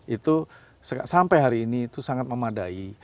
itu sampai hari ini itu sangat memadai